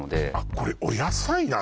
これお野菜なの？